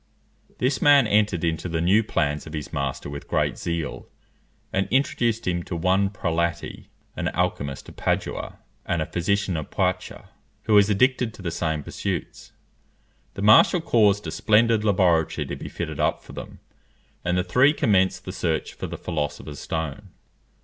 This man entered into the new plans of his master with great zeal, and introduced to him one Prelati, an alchymist of Padua, and a physician of Poitou, who was addicted to the same pursuits. The marshal caused a splendid laboratory to be fitted up for them, and the three commenced the search for the philosopher's stone.